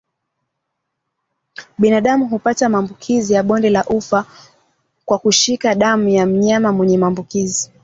Binadamu hupata maambukizi ya bonde la ufa kwa kushika damu ya mnyama mwenye maambukizi